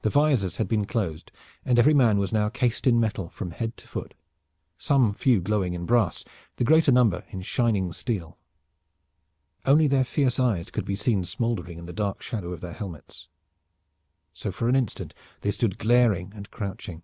The visors had been closed, and every man was now cased in metal from head to foot, some few glowing in brass, the greater number shining in steel. Only their fierce eyes could be seen smoldering in the dark shadow of their helmets. So for an instant they stood glaring and crouching.